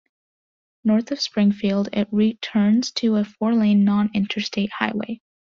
North of Springfield, it returns to a four-lane, non-interstate highway.